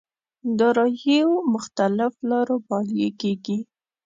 داراییو مختلف لارو ماليې کېږي.